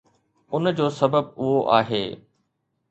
ان جو سبب اهو آهي